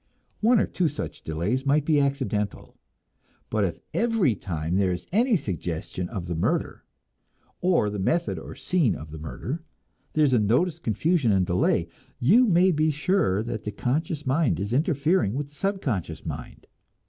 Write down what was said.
One or two such delays might be accidental; but if every time there is any suggestion of the murder, or the method or scene of the murder, there is noticed confusion and delay, you may be sure that the conscious mind is interfering with the subconscious mind.